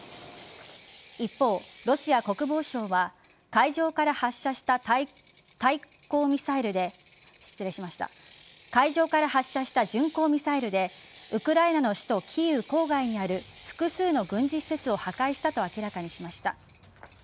一方、ロシア国防省は海上から発射した巡航ミサイルでウクライナの首都・キーウ郊外にある複数の軍事施設を破壊したと明らかにしました。